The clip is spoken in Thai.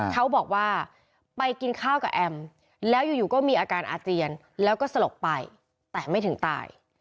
เขาบอกว่าไปกินข้าวกับแอมแล้วอยู่ก็มีอาการอาเจียนแล้วก็สลบไปแต่ไม่ถึงตาย